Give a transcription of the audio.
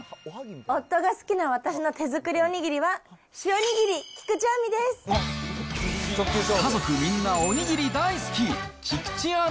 夫が好きな私の手作りおにぎりは、家族みんなおにぎり大好き。